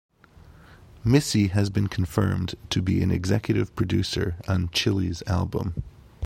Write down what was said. Missy has been confirmed to be an executive producer on Chilli's album.